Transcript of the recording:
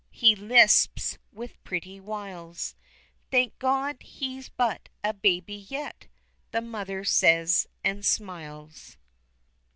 He lisps with pretty wiles, "Thank God he's but a baby yet!" The mother says, and smiles.